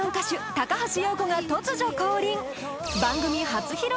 高橋洋子が突如降臨！